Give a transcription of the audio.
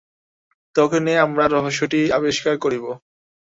তখনই আমরা রহস্যটি আবিষ্কার করিব।